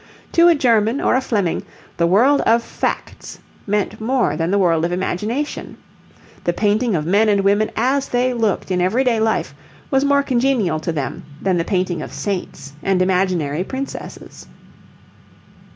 To a German or a Fleming the world of facts meant more than the world of imagination; the painting of men and women as they looked in everyday life was more congenial to them than the painting of saints and imaginary princesses.